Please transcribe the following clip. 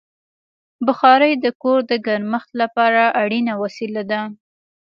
بخاري د کور د ګرمښت لپاره اړینه وسیله ده.